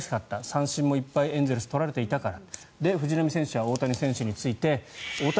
三振もいっぱいエンゼルスは取られていたから。